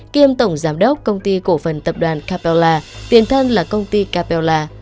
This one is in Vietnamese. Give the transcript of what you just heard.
kiêm tổng giám đốc công ty cổ phần tập đoàn capella tiền thân là công ty capella